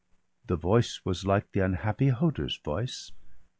The voice was like the unhappy Hoder's voice.